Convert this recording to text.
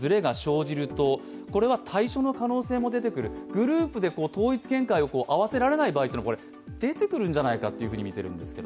グループで統一見解を合わせられない場合も出てくるんじゃないかとみているんです